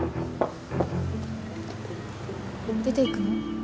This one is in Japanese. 出ていくの？